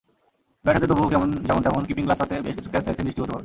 Bat হাতে তবু যেমন-তেমন, কিপিং গ্লাভস হাতে বেশ কিছু ক্যাচ ছেড়েছেন দৃষ্টিকটুভাবে।